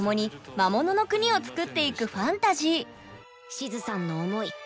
シズさんの思い